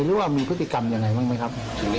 หรือว่ามีพฤติกรรมยังไงบ้างไหมครับ